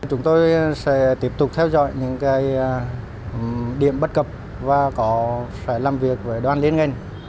chúng tôi sẽ tiếp tục theo dõi những điểm bất cập và phải làm việc với đoàn liên ngành